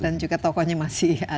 dan juga tokohnya masih ada mungkin ya